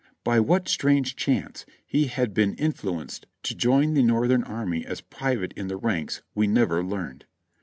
By what strange chance he had been influenced to join the Northern Army as private in the ranks we never learned.